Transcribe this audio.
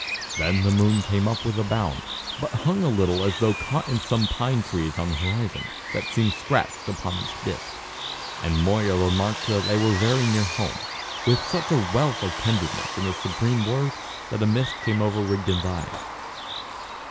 Then the moon came up with a bound, but hung a little as though caught in some pine trees on the horizon, that seemed scratched upon its disc. And Moya remarked that they were very near home, with such a wealth of tenderness in the supreme word that a mist came over Rigden's eyes.